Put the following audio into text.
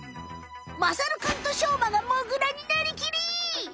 まさるくんとしょうまがモグラになりきり！